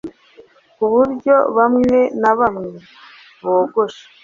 ku buryo bamwe na bamwe bogosha